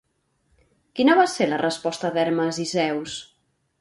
Quina va ser la resposta d'Hermes i Zeus?